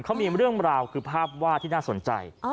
เขามีเรื่องราวคือภาพวาดที่น่าสนใจ